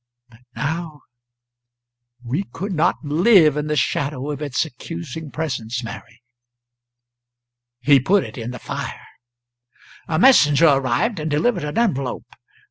But now We could not live in the shadow of its accusing presence, Mary." He put it in the fire. A messenger arrived and delivered an envelope.